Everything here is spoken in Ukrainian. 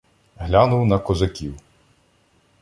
Глянув на козаків.